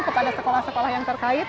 kepada sekolah sekolah yang terkait